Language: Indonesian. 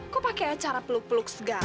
kok pake acara peluk peluk segala